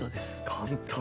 簡単。